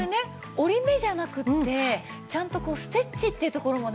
折り目じゃなくってちゃんとステッチっていうところもね